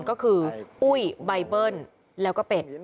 ก็คืออุ้ยใบเบิ้ลแล้วก็เป็ด